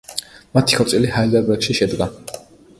მათი ქორწილი ჰაიდელბერგში შედგა.